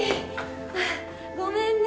ああごめんね。